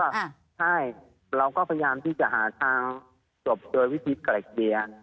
ใช่เราก็พยายามที่จะหาทางจบโดยวิธีไกล่เกลี่ย